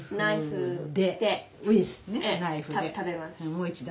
もう一度。